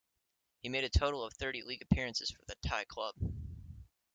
He made a total of thirty league appearances for the Thai club.